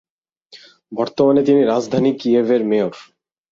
বর্তমানে তিনি রাজধানী কিয়েভের মেয়র।